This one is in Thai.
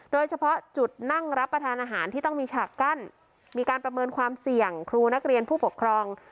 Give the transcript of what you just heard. โดยเฉพาะจุดนั่งรับประทานอาหารที่ต้องมีฉากกั้นมีการประเมินความเสี่ยงครูนักเรียนผู้ปกครอง